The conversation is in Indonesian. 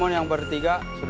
ichin pun enggah gue